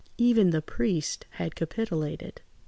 Even the priest had capitulated.